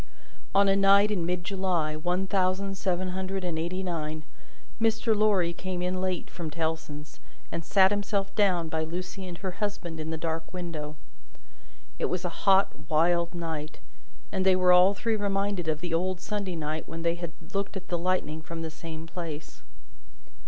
On a night in mid July, one thousand seven hundred and eighty nine, Mr. Lorry came in late, from Tellson's, and sat himself down by Lucie and her husband in the dark window. It was a hot, wild night, and they were all three reminded of the old Sunday night when they had looked at the lightning from the same place.